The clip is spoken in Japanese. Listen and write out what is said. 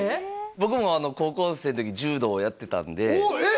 僕も高校生の時柔道をやってたんでおっえっ？